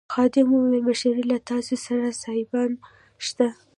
خادم وویل مشرې له تاسي سره سایبان شته.